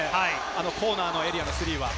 コーナーのエリアのスリーは。